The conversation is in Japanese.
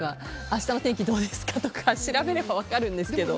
明日の天気どうですかとか調べれば分かるんですけど。